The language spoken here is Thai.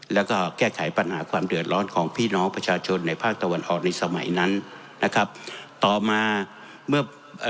แล้วก็แก้ไขปัญหาความเดือดร้อนของพี่น้องประชาชนในภาคตะวันออกในสมัยนั้นนะครับต่อมาเมื่อเอ่อ